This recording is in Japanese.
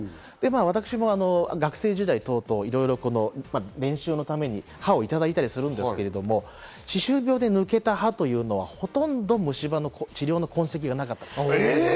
私も学生時代、練習のために歯をいろいろいただいたりするんですが、歯周病で抜けた歯というのは、ほとんど虫歯の治療の痕跡がなかったです。